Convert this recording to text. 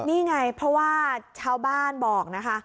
นี่ไงเพราะว่าชาวบ้านบอกนะคะ